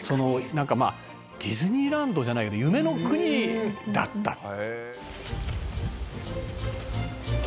なんかまあディズニーランドじゃないけど夢の国だったと。